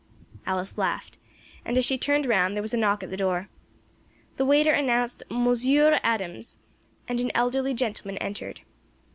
Alice laughed, and as she turned round there was a knock at the door. The waiter announced Monsieur Adams, and an elderly gentleman entered.